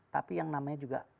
tapi yang namanya juga